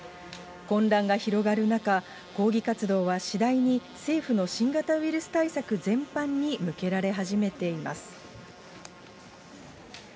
混乱が広がる中、抗議活動は次第に政府の新型ウイルス対策全般に向けられ始めています。